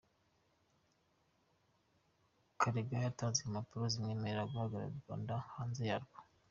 Karega yatanze impapuro zimwemerera guhagararira u Rwanda hanze yarwo